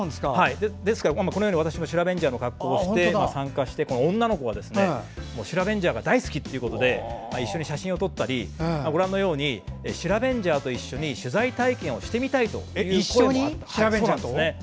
ですからこのように、私もシラベンジャーの格好をして参加して、この女の子がシラベンジャーが大好きということで一緒に写真を撮ったりシラベンジャーと一緒に取材体験をしてみたいという声もあったんです。